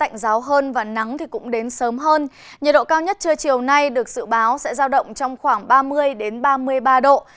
nhiệt độ cao nhất trưa chiều nay được dự báo sẽ giao động trong khoảng ba mươi ba mươi ba độ